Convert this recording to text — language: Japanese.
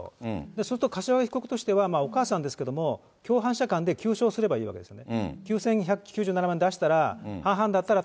そうすると、柏木被告はお母さんですけども、共犯者間ですればいいんですね。